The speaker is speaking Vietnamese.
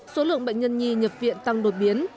số lượng bệnh nhân nhi nhập viện tăng đột biến